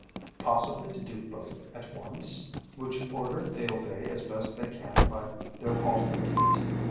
Possibly to do both at once, which order they obey as best they can by their halting gait."